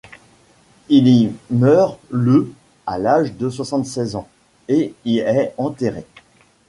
Il y meurt le à l'âge de soixante-seize ans, et y est enterré.